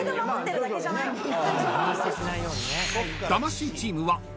［魂チームは］